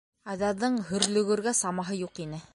Айҙарҙың һөрлөгөргә самаһы юҡ ине.